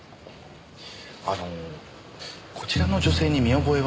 あのこちらの女性に見覚えはないですか？